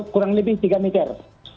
kurang lebih tiga meter